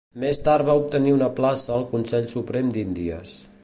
Més tard va obtenir una plaça al Consell Suprem d'Índies.